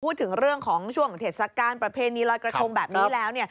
พูดถึงเรื่องของช่วงเทศกาลประเพณีลอยกระทงแบบนี้แล้ว